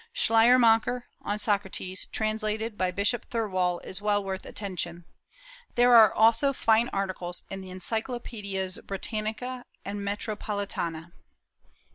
Schleiermacher, on Socrates, translated by Bishop Thirlwall, is well worth attention. There are also fine articles in the Encyclopaedias Britannica and Metropolitana.